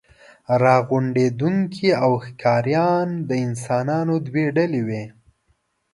راغونډوونکي او ښکاریان د انسانانو دوې ډلې وې.